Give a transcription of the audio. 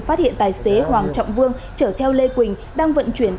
phát hiện tài xế hoàng trọng vương chở theo lê quỳnh